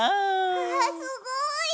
わあすごい！